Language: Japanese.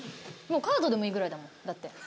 カードでもいいぐらいだもんだって。